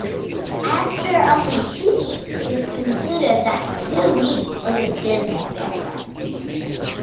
After only two weeks it was concluded that "Who Me" was a dismal failure.